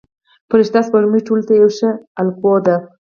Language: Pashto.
فرشته سپوږمۍ ټولو ته یوه ښه الګو ده.